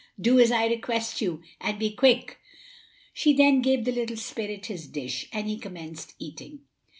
"Do as I request you, and be quick." She then gave the little spirit his dish, and he commenced eating.